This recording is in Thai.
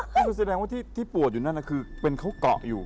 ก็คือแสดงว่าที่ปวดอยู่นั่นคือเป็นเขาเกาะอยู่